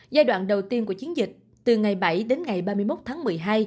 giai đoạn đầu tiên của chiến dịch từ ngày bảy đến ngày ba mươi một tháng một mươi hai